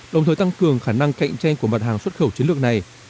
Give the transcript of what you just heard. đồng thời tăng cường khả năng cạnh tranh của mặt hàng xuất khẩu chiến lược này